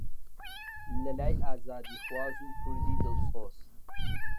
لەلای ئازادیخواز و کوردی دڵسۆز